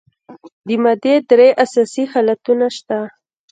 د مادې درې اساسي حالتونه شته.